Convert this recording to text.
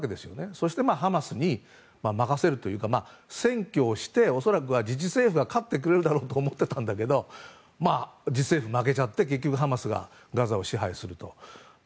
そしてハマスに任せるというか選挙をして恐らくは自治政府が勝ってくれるだろうと思ってたんだけど負けちゃって結局ハマスがガザを支配すると。